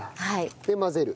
で混ぜる。